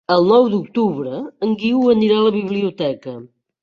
El nou d'octubre en Guiu anirà a la biblioteca.